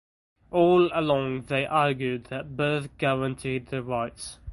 All along they argued that birth guaranteed their rights.